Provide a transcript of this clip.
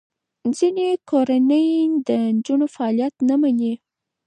ځینې کورنۍ د نجونو فعالیت نه مني.